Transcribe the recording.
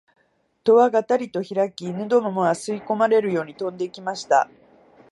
戸はがたりとひらき、犬どもは吸い込まれるように飛んで行きました